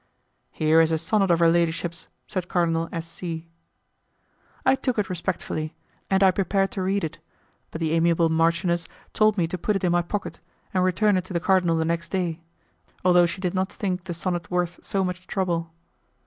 "Here is a sonnet of her ladyship's," said Cardinal S. C. I took it respectfully, and I prepared to read it, but the amiable marchioness told me to put it in my pocket and return it to the cardinal the next day, although she did not think the sonnet worth so much trouble.